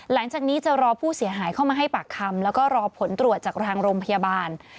หลังจากนี้จะรอผู้เสียหายเข้ามาให้ปากคำแล้วก็รอผลตรวจจากทางโรงพยาบาล